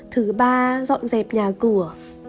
thứ ba dọn dẹp nhà cửa